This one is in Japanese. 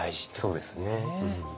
そうですね。